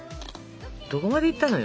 どこまで行ったのよ？